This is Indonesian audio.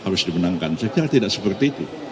harus dimenangkan saya kira tidak seperti itu